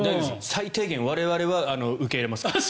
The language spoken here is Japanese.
最低限我々は受け入れますから。